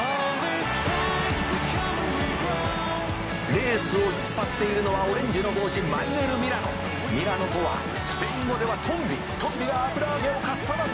「レースを引っ張っているのはオレンジの帽子マイネルミラノ」「ミラノとはスペイン語ではトンビ」「トンビは油揚げをかっさらうのか」